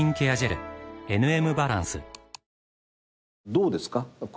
どうですか？